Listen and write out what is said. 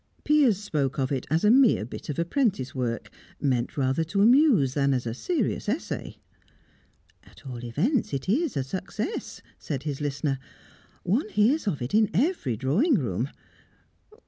Piers spoke of it as a mere bit of apprentice work, meant rather to amuse than as a serious essay. "At all events, it's a success," said his listener. "One hears of it in every drawing room.